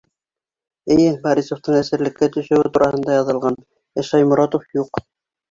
Эйе, Борисовтың әсирлеккә төшөүе тураһында яҙылған, ә Шайморатов — юҡ.